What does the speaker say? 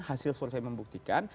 hasil survei membuktikan